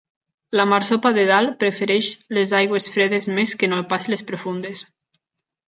La marsopa de Dall prefereix les aigües fredes més que no pas les profundes.